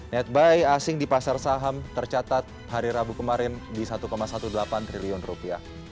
netbuy asing di pasar saham tercatat hari rabu kemarin di satu delapan belas triliun rupiah